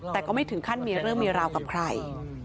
แต่ก็ไม่ถึงขั้นมีเรื่องมีราวกับใคร